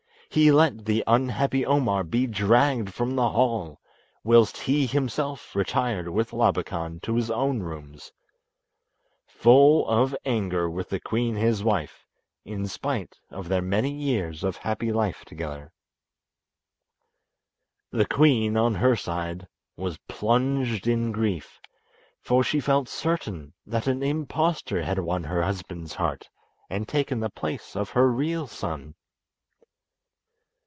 He let the unhappy Omar be dragged from the hall, whilst he himself retired with Labakan to his own rooms, full of anger with the queen his wife, in spite of their many years of happy life together. The queen, on her side, was plunged in grief, for she felt certain that an impostor had won her husband's heart and taken the place of her real son.